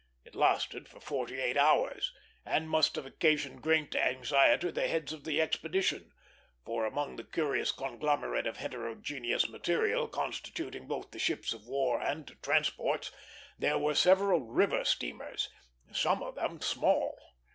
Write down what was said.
It lasted for forty eight hours, and must have occasioned great anxiety to the heads of the expedition; for among the curious conglomerate of heterogeneous material constituting both the ships of war and transports there were several river steamers, some of them small.